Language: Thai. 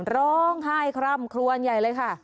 ร้องไห้คร่ำคลวนใหญ่เลยค่ะ